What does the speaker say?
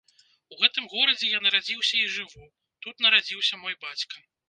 У гэтым горадзе я нарадзіўся і жыву, тут нарадзіўся мой бацька.